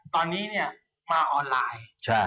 ตอนนี้เนี่ยมาออนไลน์